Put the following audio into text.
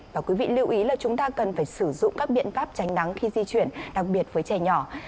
và quý vị lưu ý là chúng ta cần phải sử dụng các biện pháp tránh nắng khi di chuyển đặc biệt với trẻ nhỏ